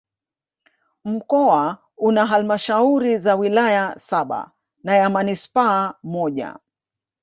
Mkoa una Halmashauri za wilaya saba na ya Manispaa moja